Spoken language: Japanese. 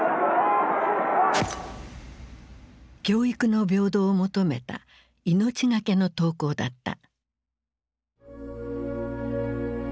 教育の平等を求めた命懸けの登校だった。